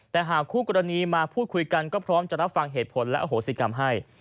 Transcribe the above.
แต่หากคู่กรณีมาพูดคุยกันก็พร้อมจะรับฟังเหตุผลและอโหสิกรรมให้